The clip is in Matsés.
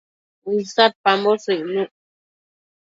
Uinsadpamboshë icnuc